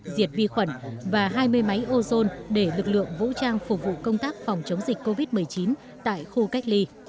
diệt vi khuẩn và hai mươi máy ozone để lực lượng vũ trang phục vụ công tác phòng chống dịch covid một mươi chín tại khu cách ly